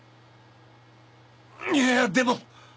いやあでも！